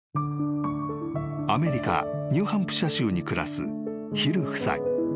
［アメリカニューハンプシャー州に暮らすヒル夫妻］